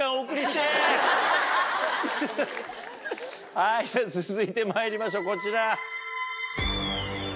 はいじゃ続いてまいりましょうこちら。